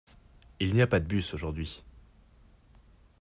Il n'y a pas de bus aujourd'hui.